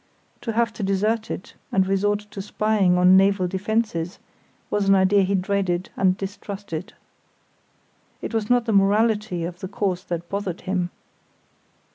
To have to desert it and resort to spying on naval defences was an idea he dreaded and distrusted. It was not the morality of the course that bothered him.